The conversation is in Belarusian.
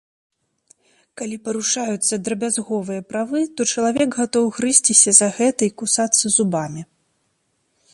Калі парушаюцца драбязговыя правы, то чалавек гатоў грызьціся за гэта і кусацца зубамі.